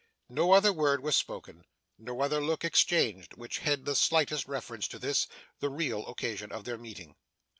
No other word was spoken, no other look exchanged, which had the slightest reference to this, the real occasion of their meeting.